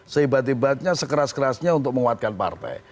seibat ibatnya sekeras kerasnya untuk menguatkan partai